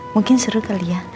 mungkin seru kali ya